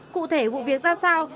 cụ thể vụ việc ra sao